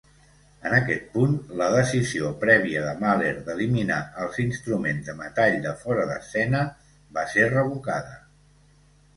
En aquest punt, la decisió prèvia de Mahler d'eliminar els instruments de metall de fora d'escena va ser revocada.